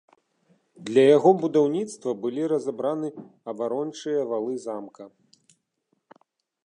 Для яго будаўніцтва былі разабраны абарончыя валы замка.